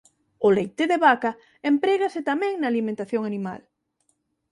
O leite de vaca emprégase tamén na alimentación animal.